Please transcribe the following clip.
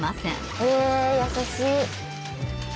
へえ優しい。